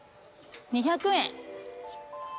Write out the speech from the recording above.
２００円。